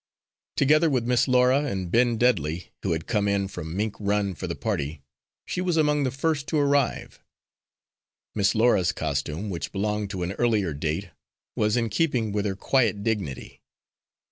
Together with Miss Laura and Ben Dudley, who had come in from Mink Run for the party, she was among the first to arrive. Miss Laura's costume, which belonged to an earlier date, was in keeping with her quiet dignity.